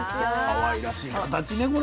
かわいらしい形ねこれ。